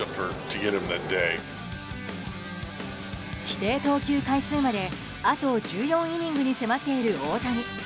規定投球回数まであと１４イニングに迫っている大谷。